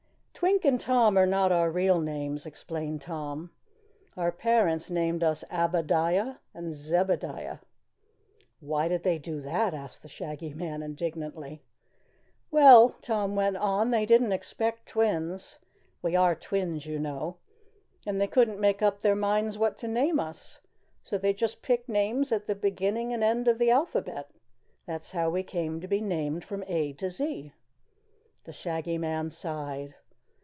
"Twink and Tom are not our real names," explained Tom. "Our parents named us Abbadiah and Zebbidiah." "Why did they do that?" asked the Shaggy Man indignantly. "Well," Tom went on, "they didn't expect twins we are twins, you know and they couldn't make up their minds what to name us. So they just picked names at the beginning and end of the alphabet. That's how we came to be named from A to Z." The Shaggy Man sighed.